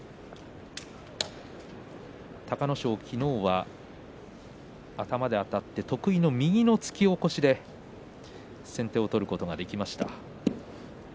隆の勝、昨日は頭であたって得意の右の突き起こしで先手を取ることができました。